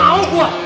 gak mau gue